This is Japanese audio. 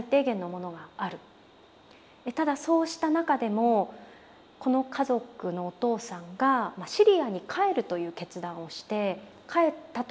ただそうした中でもこの家族のお父さんがシリアに帰るという決断をして帰ったということがあったんです。